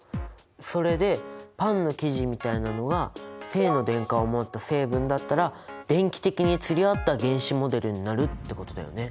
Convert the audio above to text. それでパンの生地みたいなのが正の電荷を持った成分だったら電気的に釣り合った原子モデルになるってことだよね？